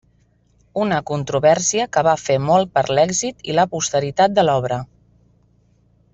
Una controvèrsia que va fer molt per l'èxit i la posteritat de l'obra.